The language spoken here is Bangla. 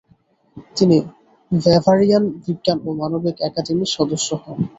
তিনি ব্যাভারিয়ান বিজ্ঞান ও মানবিক একাডেমির সদস্য হন।